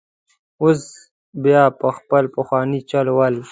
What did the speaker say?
اوس بیا په خپل پخواني چل ول.